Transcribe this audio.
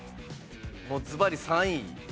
もうずばり３位。